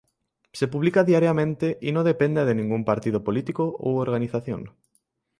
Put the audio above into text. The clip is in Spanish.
Se publica diariamente y no depende de ningún partido político u organización.